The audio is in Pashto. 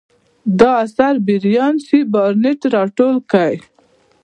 دا اثر بریان سي بارنټ راټول کړی.